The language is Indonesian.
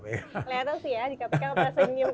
kalau sekarang senyum